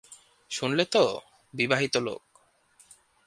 শুনলে তো, বিবাহিত লোক!